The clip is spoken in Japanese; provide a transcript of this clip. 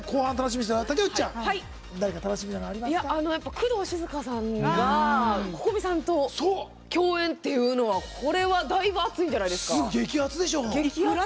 工藤静香さんがＣｏｃｏｍｉさんと共演っていうのは、これはだいぶ熱いんじゃないですか？